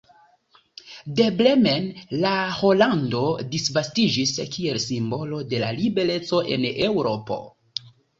De Bremen la rolando disvastiĝis kiel simbolo de la libereco en Eŭropo.